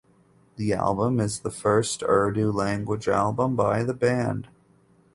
The album is the first Urdu language album by the band.